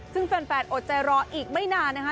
ซึ่งแฟนอดใจรออีกไม่นานนะคะ